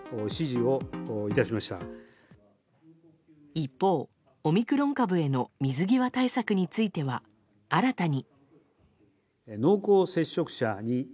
一方、オミクロン株への水際対策については新たに。